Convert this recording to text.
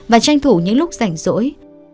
và tranh thủ những lúc rảnh rỗi